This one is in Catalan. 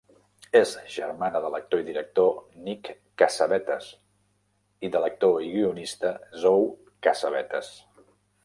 És germana de l'actor i director Nick Cassavetes i de l'actor i guionista Zoe Cassavetes.